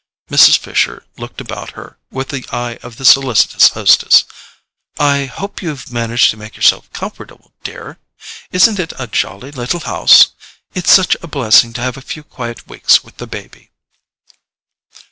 Mrs. Fisher looked about her with the eye of the solicitous hostess. "I hope you've managed to make yourself comfortable, dear? Isn't it a jolly little house? It's such a blessing to have a few quiet weeks with the baby."